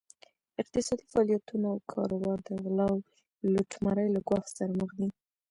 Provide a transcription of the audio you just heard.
اقتصادي فعالیتونه او کاروبار د غلا او لوټمارۍ له ګواښ سره مخ دي.